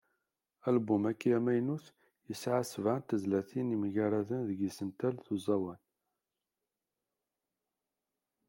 Album-agi amaynut, yesɛa sebεa n tezlatin yemgaraden deg yisental d uẓawan.